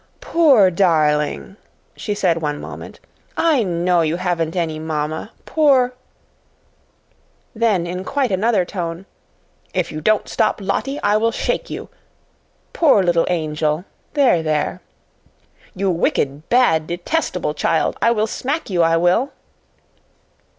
"Poor darling," she said one moment, "I know you haven't any mamma, poor " Then in quite another tone, "If you don't stop, Lottie, I will shake you. Poor little angel! There ! You wicked, bad, detestable child, I will smack you! I will!"